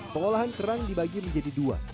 pengolahan kerang dibagi menjadi dua